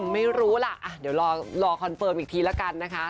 ไม่รู้ล่ะเดี๋ยวรอคอนเฟิร์มอีกทีละกันนะคะ